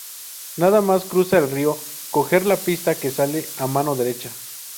Nada más cruzar el río, coger la pista que sale a mano derecha.